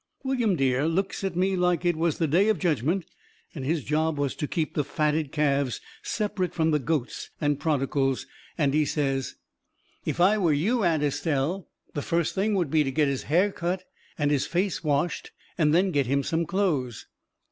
William Dear looks at me like it was the day of judgment and his job was to keep the fatted calves separate from the goats and prodigals, and he says: "If I were you, Aunt Estelle, the first thing would be to get his hair cut and his face washed and then get him some clothes."